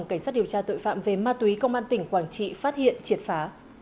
cảnh sát điều tra tội phạm về ma túy công an tỉnh quảng trị phát hiện triệt phá